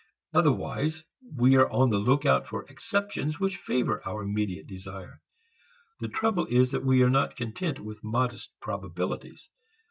Otherwise we are on the lookout for exceptions which favor our immediate desire. The trouble is that we are not content with modest probabilities.